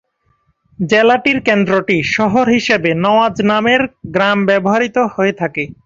জেলাটির কেন্দ্রটি শহর হিসেবে নওয়াজ নামের গ্রাম ব্যবহৃত হয়ে থাকে।